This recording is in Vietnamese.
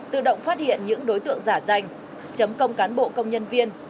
tự động phát hiện những đối tượng giả danh chấm công cán bộ công nhân viên